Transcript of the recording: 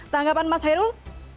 tanggapan mas herul